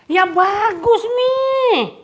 ya bagus nih